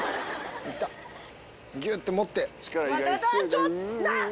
ギュって持って！